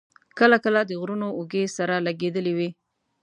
کله کله د غرونو اوږې سره لګېدلې وې.